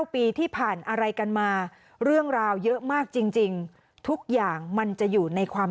๙ปีที่ผ่านอะไรกันมา